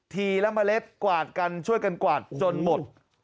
ละเมล็ดกวาดกันช่วยกันกวาดจนหมด